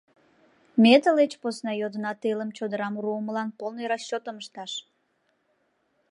— Ме, тылеч посна, йодына телым чодырам руымылан полный расчётым ышташ!